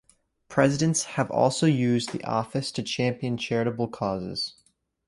Presidents have also used the office to champion charitable causes.